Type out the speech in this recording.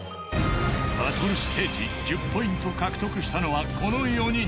［バトルステージ１０ポイント獲得したのはこの４人］